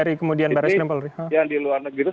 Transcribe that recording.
ini yang di luar negeri itu saudara aa dengan saudara lshs